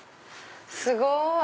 すごい！